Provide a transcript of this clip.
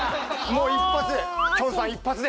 もう一発で。